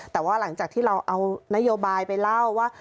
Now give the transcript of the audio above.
แต่ว่าหลังจากที่เราเอานโยบายไปเล่าว่า